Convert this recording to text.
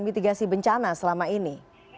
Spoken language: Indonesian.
mitigasi bencana selama ini